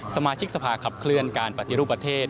สมาชิกสภาขับเคลื่อนการปฏิรูปประเทศ